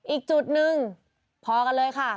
อีกจุดหนึ่งพอกันเลยค่ะ